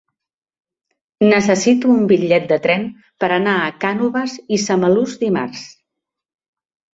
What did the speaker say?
Necessito un bitllet de tren per anar a Cànoves i Samalús dimarts.